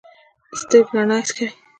سترګې رڼا حس کوي.